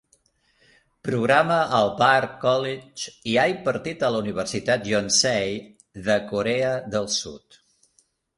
Programa al Bard College i ha impartit a la Universitat Yonsei de Corea del Sud.